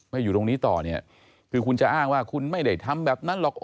อยู่ตรงนี้ต่อเนี่ยคือคุณจะอ้างว่าคุณไม่ได้ทำแบบนั้นหรอก